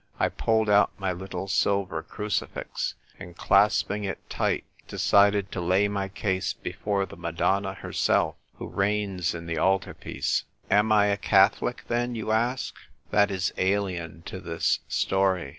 I pulled out my little silver crucifix, and, clasping it tight, decided to lay my case before the Madonna herself, who reigns in the altar piece. Am I a Catholic, then ? you ask. That is alien to this story.